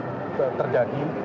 itu cukup terjadi